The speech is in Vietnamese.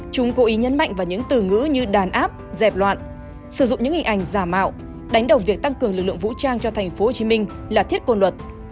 chúng cố ý nhấn mạnh vào những từ ngữ như đàn áp dẹp loạn sử dụng những hình ảnh giả mạo đánh đồng việc tăng cường lực lượng vũ trang cho thành phố hồ chí minh là thiết côn luật